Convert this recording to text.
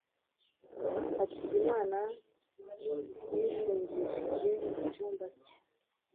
Hakizamana yifungishije mu cyumba cye